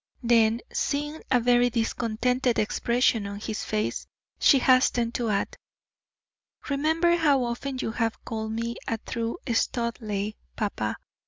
Then, seeing a very discontented expression on his face, she hastened to add: "Remember how often you have called me a true Studleigh, papa.